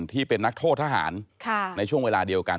ที่เป็นนักโทษทหารในช่วงเวลาเดียวกัน